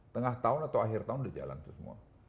tengah tahun atau akhir tahun udah jalan tuh semua